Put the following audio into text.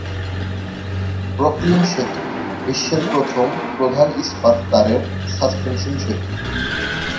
Brooklyn সেতু, বিশ্বের প্রথম প্রধান ইস্পাত-তারের সাসপেনশন সেতু।